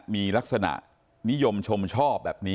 มีลักษณะนิยมชมชอบแบบนี้